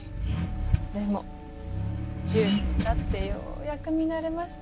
でも１０年たってようやく見慣れました。